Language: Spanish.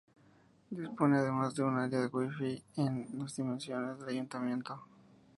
Dispone, además, de un área Wi-Fi en las inmediaciones del ayuntamiento.